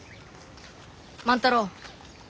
万太郎。